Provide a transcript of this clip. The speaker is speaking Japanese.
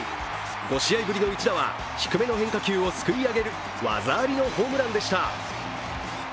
５試合ぶりの一打は、低めの変化球をすくい上げる技ありのホームランでした。